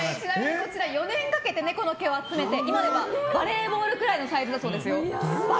こちら、４年かけて猫の毛を集めて今ではバレーボールぐらいのサイズだそうですよ。